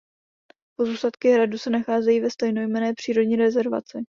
Pozůstatky hradu se nacházejí ve stejnojmenné přírodní rezervaci.